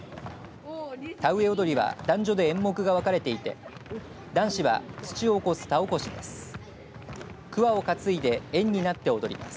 田植踊りは男女で演目が分かれていて男子は土を起こす田おこしです。